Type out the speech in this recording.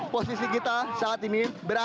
posisi kita saat ini berada